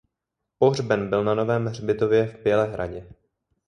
Pohřben byl na Novém hřbitově v Bělehradě.